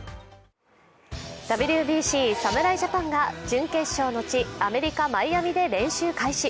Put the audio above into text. ＷＢＣ侍ジャパンが準決勝の地アメリカ・マイアミで練習開始。